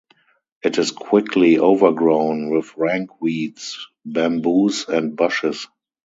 It is quickly overgrown with rank weeds, bamboos, and bushes.